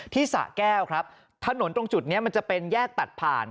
สะแก้วครับถนนตรงจุดนี้มันจะเป็นแยกตัดผ่าน